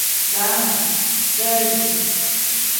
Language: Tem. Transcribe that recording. Daana pl: deezi n.